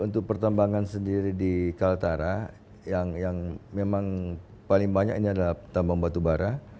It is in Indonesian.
untuk pertambangan sendiri di kalimantan utara yang memang paling banyak ini adalah tambang batu bara